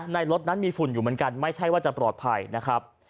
รถนั้นมีฝุ่นอยู่เหมือนกันไม่ใช่ว่าจะปลอดภัยนะครับ